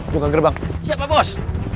buka gerbang siap pak bos